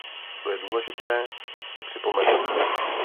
To je důležité si připomenout.